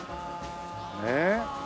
ねえ。